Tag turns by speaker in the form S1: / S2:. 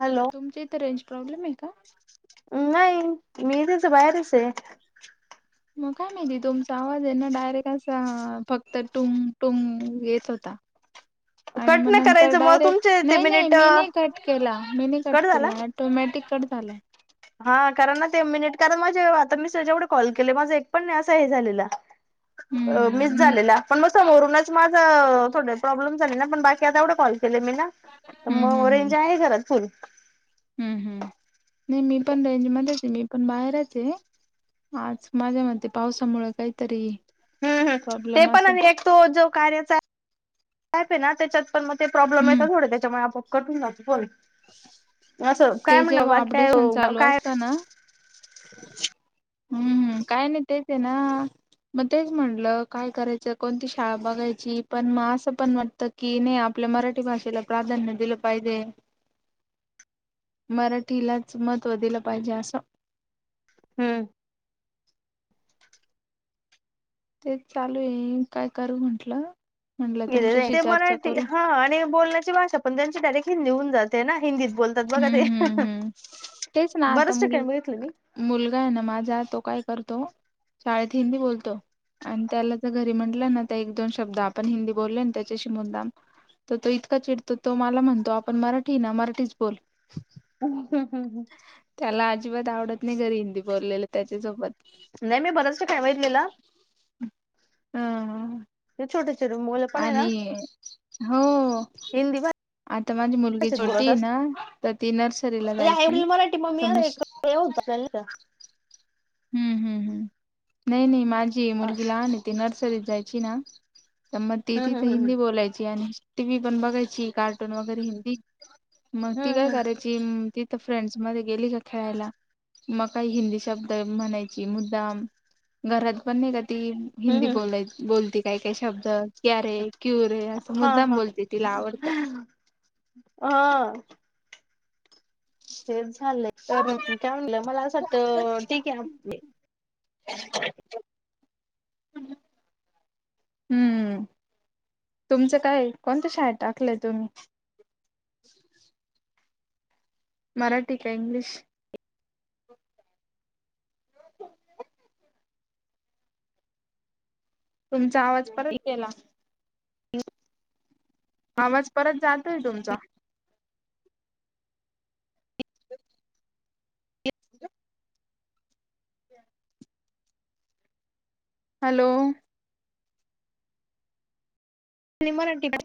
S1: Hello.
S2: तुमच्या इथं range problem आहे का?
S1: नाही मी इथेच हे, बाहेरच आहे.
S2: मग काय माहिती तुमचा आवाज आहे ना, डायरेक्ट असा फक्त टुंग- टुंग येत होता. [unintelligible] आणि
S1: कट
S2: मग
S1: नाही
S2: नंतर
S1: करायचं मग
S2: डायरेक्ट
S1: तुमचे ते
S2: नाही- नाही
S1: मिनिट
S2: मी नाही कट केला, मी नाही कट केला. ऑटोमॅटिक कट झालायं.
S1: हा कारण ना ते मिनिट कारण म्हणजे आता मी त्याच्याढ कॉल केले माझं एक पण नाही असं हे झालेला, अ
S2: हम्म
S1: मिस
S2: हम्म
S1: झालेला पण मग समोरूनच, माझं थोडं प्रॉब्लेम झाली ना, पण बाकी आता एवढे कॉल केले मी ना, तर मग रेंज आहे घरात फुल.
S2: हम् हम् नाही मी पण रेंजमध्येध्येच आहे मी पण बाहेरच आहे आज माझ्या म पावसामुळे काहीतरी
S1: हम् हम ते
S2: प्रॉब्लेम
S1: पण
S2: असेल
S1: एक तो जो कार्यचा आहे ना त्याच्यात पण मग ते प्रॉब्लेम येत
S2: हम्म
S1: थोडे त्याच्यामुळे आपण कटून जातो फोण असं काय
S2: ते
S1: म्हणण
S2: जेव्हा
S1: बाकीय काय?
S2: हम्म हम्म काय नाही तेच आहे ना. मग तेच म्हणलं काय करायचं कोणती शाळा बघायची पण मग असं पण वाटतं की आपल्या मराठी भाषेला प्राधान्य दिलं पाहिजे. मराठीलाच मत्व दिलं पाहिजे असं.
S1: हम्म.
S2: ते चालू आहे काय करू म्हंटलं. म्हटलं
S1: गेले
S2: तुमच्याशी
S1: ते
S2: चर्चा
S1: मराठी
S2: करू
S1: हा आणि बोलण्याची भाषा पण त्यांची डायरेक्ट हिंदी होऊन जाते ना हिंदीत बोलते बघा
S2: हम्म
S1: ते
S2: हम्म हम्म तेच ना आता
S1: बरच
S2: मुल
S1: ठिकाणी बघितलं मी.
S2: मुलगा आहे ना माझा तो काय करतो शाळेत हिंदी बोलतो आणि त्याला तर घरी म्हंटलं ना त्या एक दोन शब्द आपण हिंदी बोललो त्याच्याशी मुद्दाम तर तो इतका चिडतो तो मला म्हणतो आपण मराठी ना मराठीच बोल.
S1: [unintelligible]
S2: त्याला अजिबात आवडत नाही घरी हिंदी बोललेलं त्याच्यासोबत
S1: नाही मी बरंच [inaudible] काय तलेलं
S2: हा.
S1: ते [inaudible] छोट मु
S2: आणि हो.
S1: हिंदी म
S2: आता माझी मुलगी छोटी आहे ना तर ती नर्सरीला जायची तर मग?
S1: ते होतं आपल्या ला.
S2: हम्म हम्म नाही नाही माझी मुलगी
S1: हम्म
S2: लहान ती नर्सरीत जायची ना. मग ती तिथे
S1: हम्म हम्म
S2: हिंदी बोलायची आणि टी व्ही पण बघायची कार्टून वगैरे हिंदी मग ती
S1: हम्म
S2: काय करायची? ती तर फ्रेंड्स मध्ये गेली का खेळायला मग काही हिंदी शब्दबोलायची. म्हणायची मुद्दाम घरात पण नाही का ती
S1: हम्म
S2: हिंदी
S1: हम्म
S2: बोलायची. बोलते काय काय शब्द क्या रे क्यू रे असं
S1: हा
S2: मुद्दाम
S1: हा
S2: बोलते तिला आवडतं.
S1: हा. तेचं
S2: तर
S1: झालंय काय म्हटलं मला असं वाटतं ठिक आहे आपले.
S2: हम्म, तुमचं काय कोणत्या शाळेत टाकलंय तुम्ही? मराठी काय इंग्लिश? तुमचा आवाज परत गेला. आवाज परत जातोयं तुमचा. ह हॅलो!
S1: नि मराठी